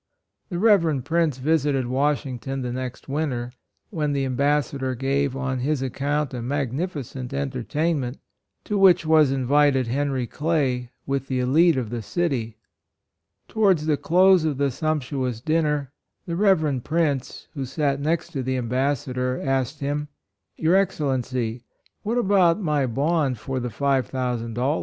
The Reverend Prince visited Washington the next winter, when the Ambassador gave on his account a magnificent en tertainment, to which was invited Henry Clay, with the elite of the city. Towards the close of the sumptuous dinner, the Reverend VIRTUES. 103 Prince, who sat next to the Ambas sador, asked him :" Your Excel lency, what about my bond for the . p $5,000?"